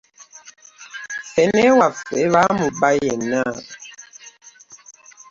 Ffene waffe bamuba yenna.